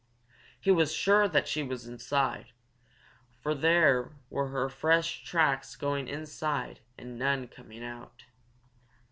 He was sure that she was inside, for there were her fresh tracks going inside and none coming out.